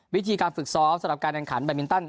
วิธีการฝึกซ้อมสำหรับการแข่งขันแบตมินตัน